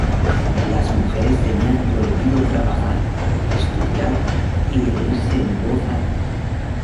Las mujeres tenían prohibido trabajar, estudiar y reírse en voz alta.